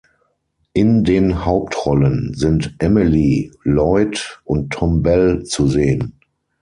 In den Hauptrollen sind Emily Lloyd und Tom Bell zu sehen.